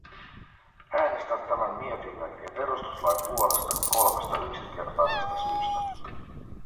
Äänestän tämän mietinnön ja perustuslain puolesta kolmesta yksinkertaisesta syystä.